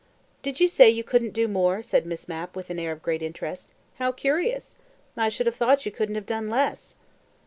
"Did you say you couldn't do 'more'," said Miss Mapp with an air of great interest. "How curious! I should have thought you couldn't have done less."